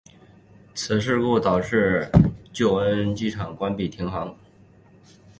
此事故导致旧恩施机场关闭停航。